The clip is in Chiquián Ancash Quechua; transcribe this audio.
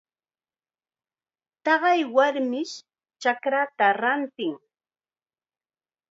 Taqay warmish chankakata rantin.